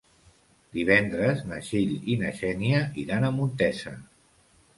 Divendres na Txell i na Xènia iran a Montesa.